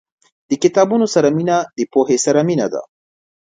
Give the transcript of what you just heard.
• د کتابونو سره مینه، د پوهې سره مینه ده.